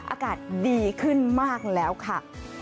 อากาศดีขึ้นมากแล้วค่ะ